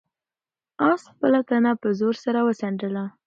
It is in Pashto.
آس خپله تنه په زور سره وڅنډله.